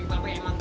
ihr udah di jomblo